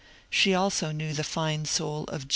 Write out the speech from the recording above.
She also knew the fine soul of Judd.